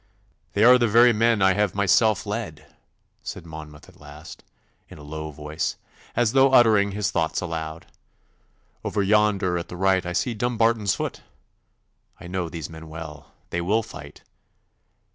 'They are the very men I have myself led,' said Monmouth at last, in a low voice, as though uttering his thoughts aloud. 'Over yonder at the right I see Dumbarton's foot. I know these men well. They will fight.